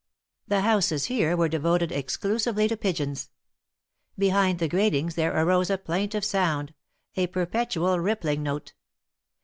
The houses here were devoted exclusively to pigeons. Behind the gratings there arose a plaintive sound — a perpetual rippling note.